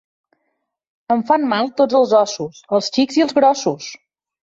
Em fan mal tots els ossos, els xics i els grossos!